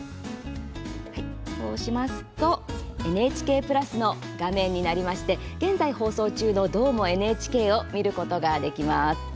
そうしますとＮＨＫプラスの画面が出てくるんですが現在、放送中の「どーも、ＮＨＫ」を見ることができます。